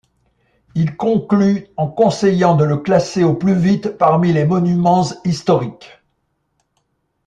Il conclut en conseillant de le classer au plus vite parmi les monuments historiques.